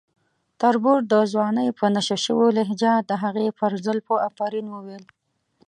تربور د ځوانۍ په نشه شوې لهجه د هغې پر زلفو افرین وویل.